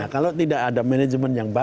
kalau tidak ada manajemen yang baik